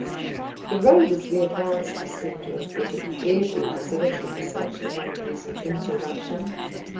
The road, as we advanced, seemed to afford every facility for such an unpleasant interruption.